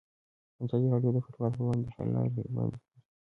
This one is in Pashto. ازادي راډیو د کډوال پر وړاندې د حل لارې وړاندې کړي.